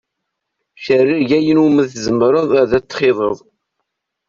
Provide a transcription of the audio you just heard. Cerreg ayen umi tzemreḍ ad t-txiḍeḍ.